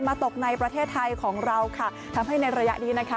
ตกในประเทศไทยของเราค่ะทำให้ในระยะนี้นะคะ